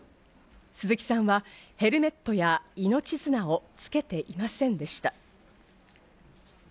鈴木さんはヘルメットや命綱をつけていませんでした。